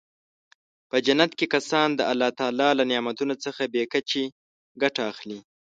په جنت کې کسان د الله تعالی له نعمتونو څخه بې کچې ګټه اخلي.